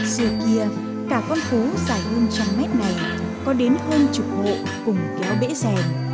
giờ kia cả con phố dài hơn trăm mét này có đến hơn chục hộ cùng kéo bể rèn